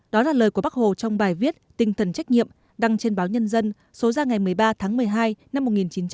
đó là lời của bác hồ trong bài viết tinh thần trách nhiệm đăng trên báo nhân dân số ra ngày một mươi ba tháng một mươi hai năm một nghìn chín trăm bảy mươi